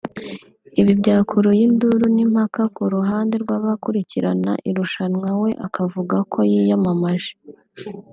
Ibi byakuruye induru n’impaka ku ruhande rw’abakurikirana irushanwa we akavuga ko yiyamamaje